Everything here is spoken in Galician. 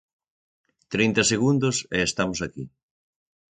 Trinta segundos e estamos aquí.